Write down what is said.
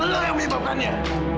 lo yang mimpamkannya